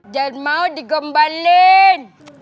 jangan mau digombalin